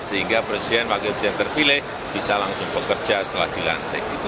sehingga presiden wakil presiden terpilih bisa langsung bekerja setelah dilantik